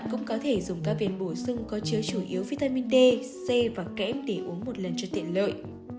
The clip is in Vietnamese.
bạn cũng có thể dùng các viên bổ sung có chứa chủ yếu vitamin d c và kém để uống một lần cho tiện lợi